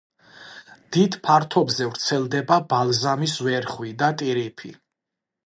დიდი ფართობზე ვრცელდება ბალზამის ვერხვი და ტირიფი.